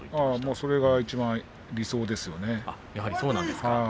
それがいちばん理想ですね。